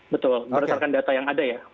betul berdasarkan data yang ada ya